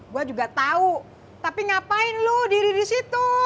gue juga tau tapi ngapain lu diri disitu